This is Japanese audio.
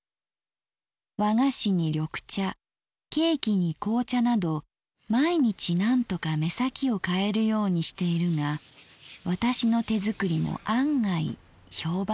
和菓子に緑茶ケーキに紅茶など毎日なんとか目先を変えるようにしているが私の手づくりも案外評判がいい。